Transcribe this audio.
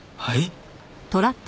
はい？